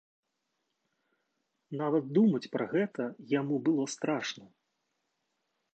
Нават думаць пра гэта яму было страшна.